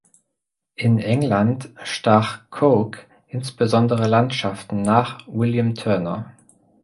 In England stach Cooke insbesondere Landschaften nach William Turner.